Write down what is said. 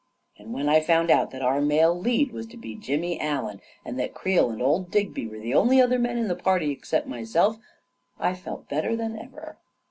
And when I found out that our male lead was to be Jimmy Allen, and that Creel and old Digby were the only other men in the party except myself, I felt better than ever.